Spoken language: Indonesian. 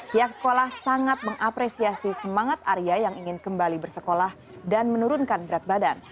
pihak sekolah sangat mengapresiasi semangat arya yang ingin kembali bersekolah dan menurunkan berat badan